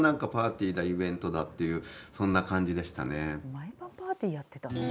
毎晩パーティーやってたの？